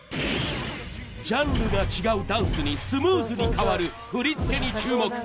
ジャンルが違うダンスにスムーズに変わる振り付けに注目。